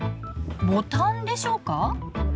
ボタンでしょうか？